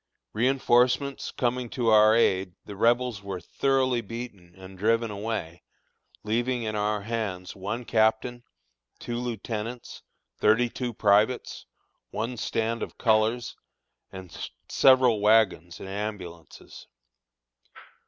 Reënforcements coming to our aid, the Rebels were thoroughly beaten and driven away, leaving in our hands one captain, two lieutenants, thirty two privates, one stand of colors, and several wagons and ambulances.